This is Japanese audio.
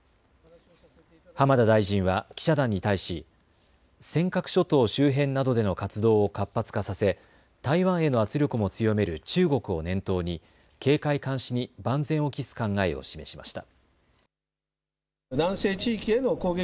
浜田大臣は記者団に対し尖閣諸島周辺などでの活動を活発化させ台湾への圧力も強める中国を念頭に警戒監視に万全を期す考えを示しました。